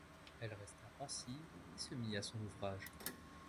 Elle resta pensive, et se mit à son ouvrage.